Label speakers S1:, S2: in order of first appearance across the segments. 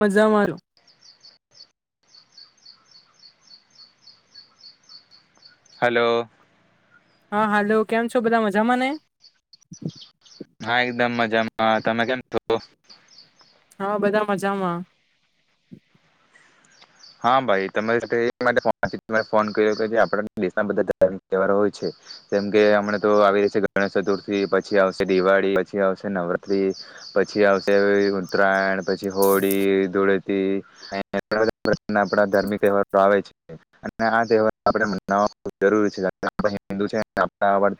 S1: મજા મારો
S2: હલો
S1: હા હાલો કેમ છો બધા મજામાં ને
S2: હા એકદમ મજામાં તમે કેમ છો
S1: હા બધા મજામાં
S2: હા ભાઈ તમે તે એજ માટે ફોન કર કે ફોન કરયો કે આપડા દેશના બધા તહેવારો હોય છે જેમ કે હમણાં તો આવી રહી છે ગણેશ ચતુર્થી પછી આવશે દિવાળી પછી આવશે નવરાત્રી પછી આવશે ઉત્તરાયણ પછી હોળી ઘૂળેટી [unintelligible] ઘરના આપણા ધાર્મિક તહેવારો આવે છે અને આ તહેવાર આપણે મનાવ જરૂરી છે કાર હિન્દુ છે આપ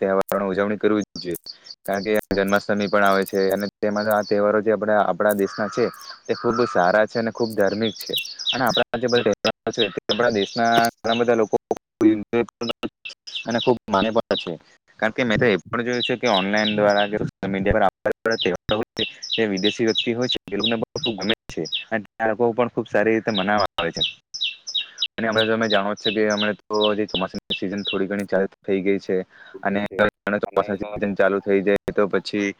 S2: તહેવારો ઉજવણી કરવી જ જોઈએ કારણ કે જન્માષ્ટમી પણ આવે છે અને તેમાં આ તહેવારો જે આપ આપણા દેશના છે તે ખૂબ સારા છે અને ખૂબ ધાર્મિક છે [unintelligible] તે મનાવ આવે છે અને અમે તમે જાણો છો કે અમે તો જે ચોમાસાની સિઝન થોડી ઘણી ચાલુ થઈ ગઈ છે અને તે હવે તો ચોમાસાની સિઝન ચાલુ થઈ જાય તો પછી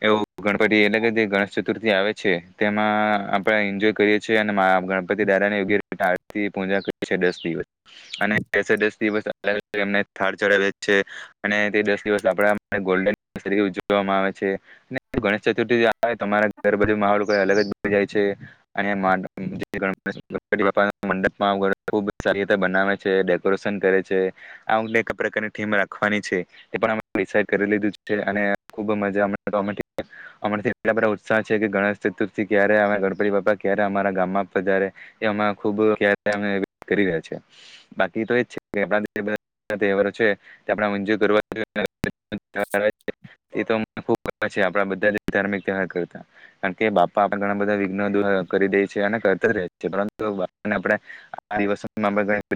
S2: એવું ગણપતિ એટલે કે ગણેશ ચતુર્થી આવે છે તેમાં આપડે એન્જોય કરીએ છીએ અને મારા ગણપતિ દાદ ની વગેરે ટાળ પૂજા કરી છે દસ દિવસ અને કેસે દસે દસ દિવસ અલગ અલગ એમ થાળ ચડાવે છે અને તે દસ દિવસ આપડા ગોલ્ડન ઉજવવામાં આવે છે અને ગણેશ ચતુર્થી આવે તમારા ઘર બધું માહોલ અલગ જ બહુ જાય છે અને તે ગણેપેશ ગણ ગણપતિ બાપાના મંડપમાં ખુબ સારી રીતે બનાવે છે ડેકોરેશન કરે છે આવોને કપડાં કલરની ઘીમ રાખવાની એપણ હવે નિષચય કરી લીઘુ છે અને એ ખૂબ મજાછેડ કરી લીધ છે અને ખુબ મજાટ બધા ઉત્સાહ છે કે ગણેશ ચતુર્થી ક્યારે ગણપતિ બાપા ક્યારે અમારા ગામમાં તો જયારે તેમ ખુબ કરી રહ્યા છે બાકી તો એ છે તહેવા છે આપ મંજૂર બધા ધાર્મિક તતા કારણ કે બાપા આપ ઘણા બધા વિ્ કરી દે છે અને ધી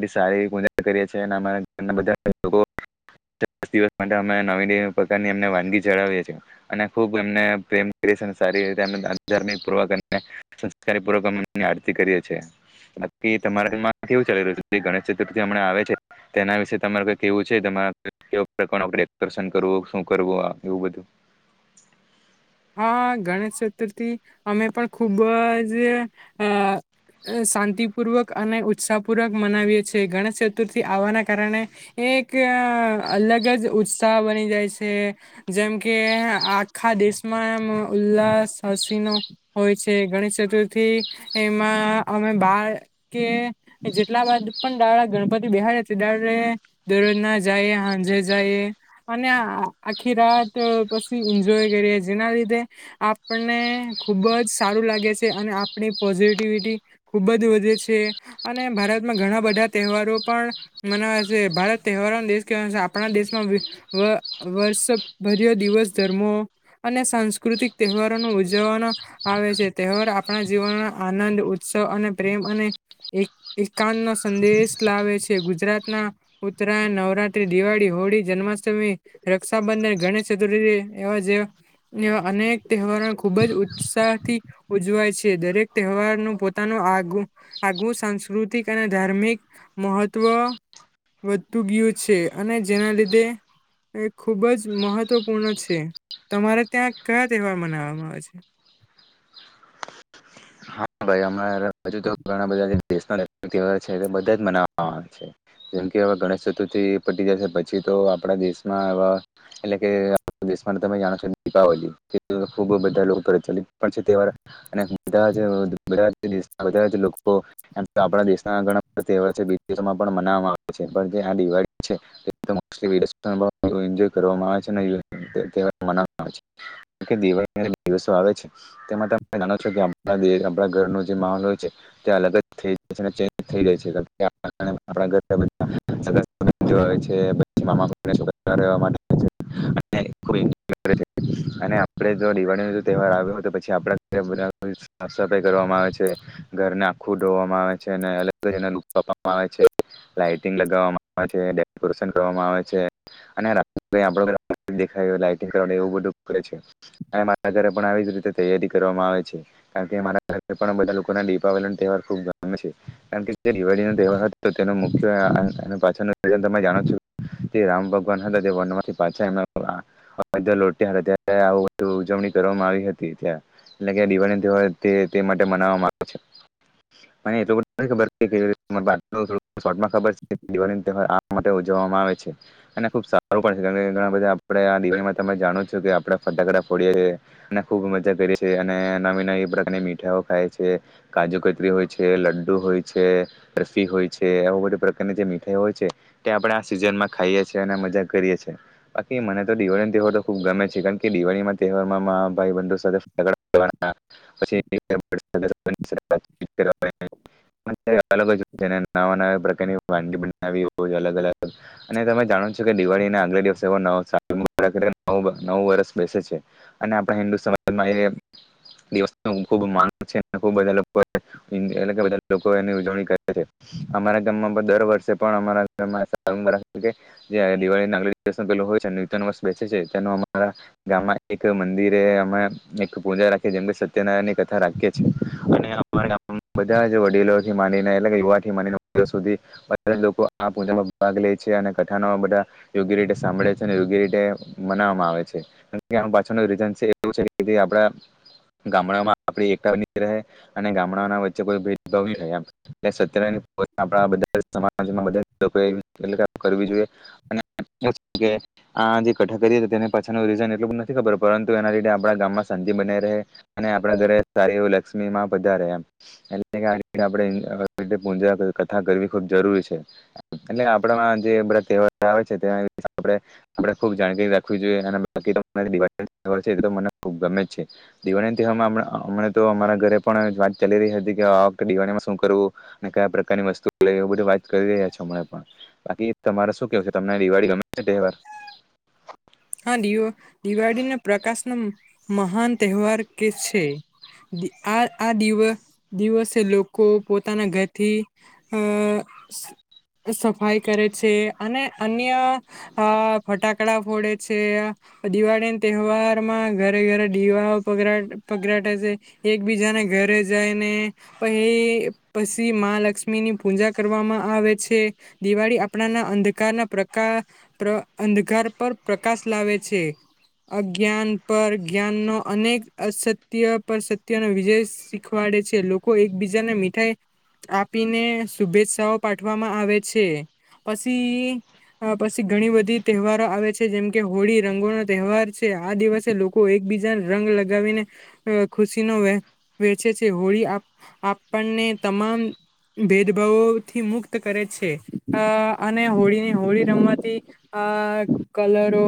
S2: સારી માટે અમે નવી પ્રકાર વાગી ચાવએ અને ખબમ [unintelligible] નેેમ કરી અને સૂર્વકકારૂ ની આરતી કરીએ છીએ બાકી તમારામાં કેવું ચાલી રહ્યું છે જે ગણેશ ચતુર્થી હમણા આવે છે તેના વિશે તમારેઈ કેવું છે તમારે કેવા પ્રકારનુંર્ન કરવું શું કરવું એવું બધું
S1: હ ગણેશ ચતુર્થી અમે પણ ખુબ જ અ શાંતિપૂર્વક અને ઉત્સાહપૂર્વક મનાવીએ છીએ ગણેશ ચતુર્થી આવવાના કારણે એક અલગ જ ઉત્સાહ બની જાય છે જેમ કે આખા દેશ ઉલ્લાસ હસી નો હોય છે ગણેશ ચતુર્થી એમાં અમે બાર કે જેટલા પણ ડાડા ગણપતિ બહડ ડાે દરરોજના જઈએ હાંજે જઈએ અને આખી રાત પછી એન્જોય કરીએ જેના લીધે આપને ખૂબ જ સારું લાગે છે અને આપણી પોઝિટિવિટી ખૂબ જ વધે છે અને ભારતમાં ઘણા બધા તહેવારો પણ મનાવે છે ભારત તહેવારોનો દેશ કવા આપણા દેશમાં વર્ષભર્યો દિવસ ધર્મો અને સકૃતિક તહેવારો ન ઉજવવાનો આવે છે તહેવાર આપણા જીવનમાં આનંદ ઉત્સવ અને પ્રેમ અને એક એકાંત નો સંદેશ લાવે છે ગુજરાતના ઉત્તરાયણ નવરાત્રી દિવાળી હોળી જન્માષ્ટમી રક્ષાબંધન ગણેશ ચતુર્થી એવા જેવા વા અનેક તહેવારો ખૂબ જ ઉત્સાહથી ઉજવાય છે દરેક તહેવારનું પોતાનું આગ આગવું સાંસ્કૃતિક અને ધાર્મિક મહત્વ વધતું ગયું છે અને જેના લીધે ખૂબ જ મહત્વપૂર્ણ છે તમારે ત્યાં કયા તહેવાર મનાવવામાં આવે છે
S2: [unintelligible] હજુ તો ઘણા બધા દેશના તહેવાર છે બધા જ મનાવવામાં આવે છે જેમ કે હવે ગણેશ ચતુર્થી પટી જશે પછી તો આપણા દેશમાંવા એટલે કે દેશમાં તમે જાણો છો દીપાવલી ખૂબ બધા લોકો પ્રચલિત પણ છે તહેવાર અને બધા જ બ બધા જ લોકો આપણા દેશના ઘણા બધા તહેવાર છેમાં પણ મવામાં આવે છે પણ જે આ દિવાળી છેજ કરવામાં આવે છે દિળી દિવસો આવે છે તેમાં તમે જાણો છો કે ઘ જે માહોલ હોય છે તે અલગ જ થઈ જાય છે ચે થઈ જાય છે અને આપ જો દિવાળી ન તહેવાર આવ્યો હોય તો પછી આપ ઘ [unintelligible] સફાઈ કર આવે ઘરને આખું ડોવામાં આવે છે અને અલગ આપવામાં આવે છે લાઈટીગ લગાવવામાં આવે છે ડરેશન કરવામાં આવે છે બેરા ઘરે પણ આવી જ રીતે તૈયારી કરવામાં આવે છે કારણકે એમાના પણ બધા લોકોના દીપાવલી ના તહેવાર ખૂબ ગમે છે કારણ કે જે દિવાળી નો તહેવાર હતો તેનું મુખ્ય અ એના પાછળનુ તમે જાણો છો તે રામ ભગવાન હતા તે વનથી પાછા એમાં આ હતા ત્યારે આવ બધુ ઉજવણી કરવામાં આવી હતી ત્યા એટલે કે દિવાળી કેવાય તે તે માટે મનાવવામાં આવે છે મને એટલુ બધુ નથી ખબર કે કેવી રીતના બાટલો શોર્ટમાં ખબર છે કે દિવાળી તહેવાર આ માટે ઉજવવામાં આવે છે અને ખુબ સારું પણ છે કારણ કે ઘણા બધા આપડે આ દિળીમાં તમે જાણો છો કે આપણે ફટાકડા ફોડીએ અને ખૂબ મજા કરીએ છી અને નવી નવી પ્રકારની મીઠાઈઓ ખાય છે કાજુ કતરી હોય છે લડુ હોય છે બરફી હોય છે એવું બધુ પ્રકારની જે મીઠાઈઓ હોય છે તે આપણેે આ સિઝનમાં ખાઈએ છે અને મજા કરીએ છે બાકી મને તો દિવાળી તહેવાર તો ખૂબ ગમે છે કારણ કે દિવાળીમાં તહેવાર માંમા ભાઈ બંધો સાથે ફટાફટ ફોરવા [unintelligible] અલગ જ છે ને નવા નવા પ્રકારની વાગી બનાવી રોજ અલગ અલગ અને તમે જાણો છો કે દિવાળીના આગલા દિવસે સાલ મુબારક એટલે કે નવું નવુ વર્ષ બેસે છે અને આપણા હિન્દુ સમાજમાં એ દિવસ ખૂબ માગ છે ને ખુબ બધા લોકો એટલે કે વધારે લોકો એની ઉજવણી કરે છે અમારા ગામમાં પણ દર વર્ષે પણ અમારા ગામમાં સાર મુબારક એટલે કે જે દિવાળીના આગલા દિવસે પેલુ હોય છે નુતન વર્ષ બેસે છે તેનું અમારા ગામમાં એક મંદિરે અમે પૂજા રાખે છે, જેમકે સત્યનારાયણની કથા રાખીએ છે, અને અમારા ગામમાં બધા જ વડીલોથી માદીને એટલે કે યુવાથી માદીને સુધી બધા લોકો આ પૂજામાં ભાગ લે છે અને કથાનો બધા યોગ્ય રીતે સાંભળે છે, અને યોગ્ય રીતે મનાવામાં આવે છે અને કે પાછળનુ રીજન છે એવું છે કે જે આપડા ગામડામાં આપડી એકરની રહે અને ગામડાના વચ્ચે કો ભેદભાવની થાય એમ કે સત્ય નારાયણ આપણા બધાજ સમાજમાં બધાજ લોકોએ એટલે કે આ કરવી જોઈ અને આ જે કઠા કરી તેના પાછળનુ રીઝન એટલું બધું નથી ખબર પરંતુ એના લીધે આપણા ગામમાં શાંતિ બને રહે અને આપણા ઘરે સારી એવ લક્ષ્મી માં પધારે એમ એટલે કે આવી રીતે આપડે એની આવી રીતે પુજા કથા કરવી ખૂબ જરૂરી છે, એટલે આપણામાં જે બધા તહેવાર આવે છે, તે આપડે ખુબ જાણકારી રાખવી જોઈએ અને બાકી તો મને ખબ ગમે છે દિવાળીના તહેવારમાં અમણા અમણા તો અમારા ઘરે પણ વાત ચાલી રહી હતી કે આ વખતે દિવાળીમાં શું કરવું અને કયા પ્રકારની વસ્તુ લઈ લેવ બધું વાત કરી રહ્યા છે હમણાં પણ બાકી તમારે શું કેવું છે તમને દિવાળી ગમે છે તહેવાર
S1: હા દિવ દિવાળીને પ્રકાશ ન મહાન તહેવાર કે છે દિ આ આ દિવ દિવસે લોકો પોતાના ઘરથી અ સફાઈ કરે છે અને અન્ય અ ફટાકડા ફોડે છે દિવાળીના તહેવારમાં ઘરે ઘરે દિવાઓ પગરાવે પગડાટે છે એકબીજાને ઘરે જાયને પહી પછી મહા લક્ષ્મીની પૂજા કરવામાં આવે છે દિવાળી આપણાના અંધકારના પ્રકા પ્ર અંધકાર પર પ્રકાશ લાવે છે અજ્ઞાન પર જ્ઞાનનો અનેક અસત્ય પર સત્યનો વિજય શીખવાડે છે લોકો એકબીજાને મીઠાઈ આપીને શુભેચ્છાઓ પાઠવામાં આવે છે પછી અ પછી ઘણી બધી તહેવારો આવે છે. તે જેમ કે હોળી રંગોનો તહેવાર છે આ દિવસે લોકો એકબીજાને રંગ લગાવીને અ ખુશીનો વેહ વેચે છે, હોળી આપ આપણને તમામ ભેદભાવોથી મુક્ત કરે છે, અ અને હોળીની હોળી રમવાથી, અ કલરો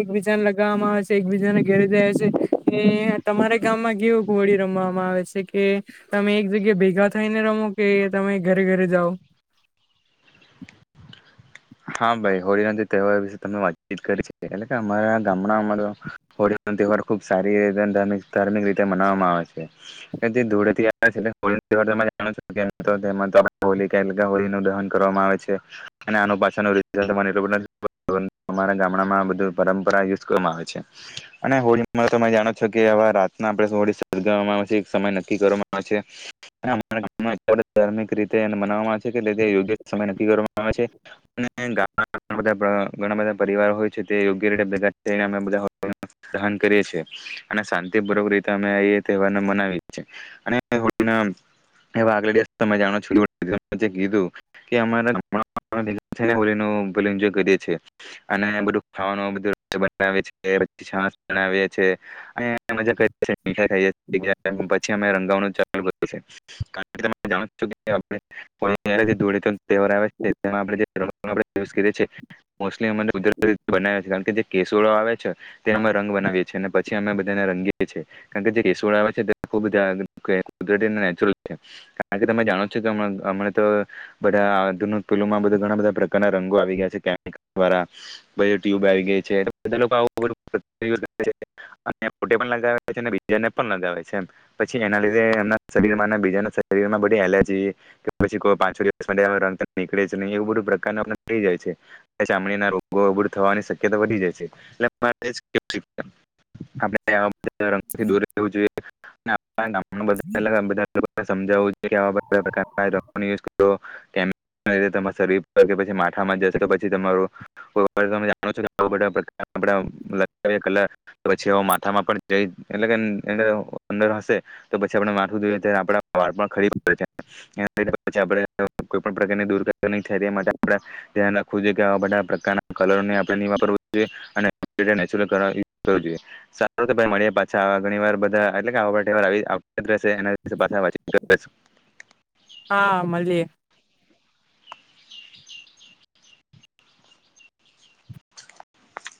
S1: એકબીજાને લગાવવામાં આવે છે એકબીજાને ઘરે જાય છે કે તમારા ગામમાં કેવું હોળી રમવામાં આવે છે કે તમે એક જગ્યા ભેગા થઈને રમો, કે તમે ઘરે ઘરે જાઓ
S2: હા ભાઈ હોળીનો જે તહેવાર વિશે તમે વાતચીત કરી છે એટલે કે અમારા ગામના મતલબ હોળીનો તહેવાર ખુબ સારી રીતે અને ધાર્મિક રીતે મનાવામાં આવે છે અને તે ધૂળેથી આવે છે એ હોળીનો તહેવાર હોળીનું દહન કરવામાં આવે છે અને આનો પા પાછળનુ રીઝન તો મને એટલુ બધુ નથી [inaudible] અમારા ગામડામાં આ બધું પરંપરા યુસ કરવામાં આવે છે અને હોળીમાં તમે જાણો છો કે રાતના આપણે હોળી સળગાવામા આવે છે એક સમય નક્કી કરવામાં આવે છે ધાર્મિક રીતે એને મનાવામાં આવે છે કે ટે ટે યોગ્ય સમય નક્કી કરવામાં આવે છે. [inaudible] ઘણા બધા પરિવારો હોય છે તે યોગ્ય રીતે ભેગા થયને અમે બધા દહન કરીએ છે અને શાંતિપૂર્વક રીતે અમે એ તહેવાર મનાવીએ છે અને હોળીનો તેના આગલા દિવસે તમે જાણો છો કીધું કે અમારા છે અને હોળીનુ પેલુ ઈનજોય કરીએ છે અને બધું ખાવાનું બધું [inaudible] છાશ બનાવીયે છે [inaudible] પછી અમે રંગાવાનુુ જયારે ધુળેટી તહેવાર આવે છે તેમાં આપણે જે [unintelligible] યુસ કરીએ છે મોકલી એમે તો કુદરતી રીતે બનાવે છે કારણ કે જે કેસુડો આવે છે તેનો રંગ બનાવીએ છે ને પછી અમે બધાને રંગીએ છે કારણ કે જે કેસુડો આવે છે તે ખબુ નેચરલ છે કારણ તમે જાણો છો કે અમણા, અમે તો બધા આધુનિક પેલુમાં બધા ઘણા બધા પ્રકારના રંગો આવી ગયા છે કેમ વારા બધી ટ્યુબ આવી ગઈ છે [inaudible] બધા લોકો આવુ બધું [inaudible] કારણે છે ને બીજાને પણ લગાવ છે એમ પછી એના લીધે એમના શરીરમાંના બીજા શરીરમાં બધી એલર્જી, કે પછી કો પાંચો દિવસ માટે રંગ નીકળે જ નહી એવું બધું બધુ પ્રકારના થય જાય છે ચામડીના રોગો થવાની શક્યતા વધી જાય છે એટલે [inaudible] આપડે આવા રંગથી દોર રહેવું જોઈએ. ના [inaudible] એટલે કે બધા લોકો આપણે સમજાવું કે આવા બધા પ્રકારના રંગોની યુસ કરો તેના લીધે તમારા શરીર પછી માથામાં જશે તો પછી તમારુ તો જાણો છો કે બધા પ્રકાર આવા બધા લટકાવ્યા કરલા પછી અ માથામાં પણ જઈ એટલે કે અંદર અંદર હશે તો પછી આપણુ માથું જે હોય તે આપણા વાળ પણ ખળી પડે છે પછી આપણે કોઈ પણ પ્રકારની દૂર થેરીયા માટે આપણે ધ્યાન રાખવું જોઈએ કેવા બધા પ્રકારના કલર ઓને આપણે ની વાપરવુ જોઈએ અને જે નેચરલ કલર એ કરવો જોઈએ સારુ તો ભાઈ મળીએ પાછા ઘણી વાર બધા એટલે કે આવા બધા તહેવાર આવી આવ યાદ રેસે એના ભાષા વાંચી [inaudible]
S1: હા મલીએ